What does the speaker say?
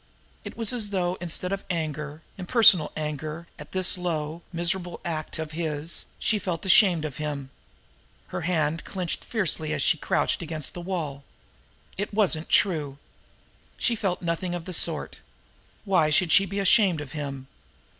It was as though, instead of anger, impersonal anger, at this low, miserable act of his, she felt ashamed of him. Her hand clenched fiercely as she crouched there against the wall. It wasn't true! She felt nothing of the sort! Why should she be ashamed of him?